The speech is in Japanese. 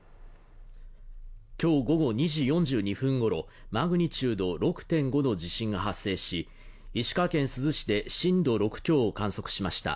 今日午後２時４２分ごろマグニチュード６．５の地震が発生し、石川県珠洲市で震度６強を観測しました。